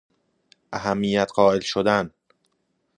اهمیت قائل شدن